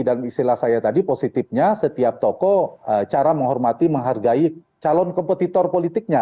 dan istilah saya tadi positifnya setiap toko cara menghormati menghargai calon kompetitor politiknya